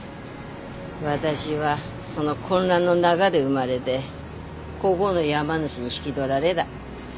私はその混乱の中で生まれでこごの山主に引き取られだ。